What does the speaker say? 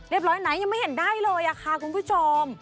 ร้อยไหนยังไม่เห็นได้เลยค่ะคุณผู้ชม